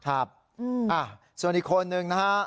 อ่าส่วนอีกคน๑นะคะ